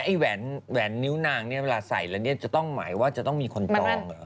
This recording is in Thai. ไอ้แหวนนิ้วนางนี่เวลาใส่แล้วนี้จะต้องหมายว่าจะต้องมีคนนรองนะ